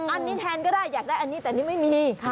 อันนี้แทนก็ได้อยากได้อันนี้แต่อันนี้ไม่มี